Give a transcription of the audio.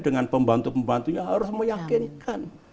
dengan pembantu pembantunya harus meyakinkan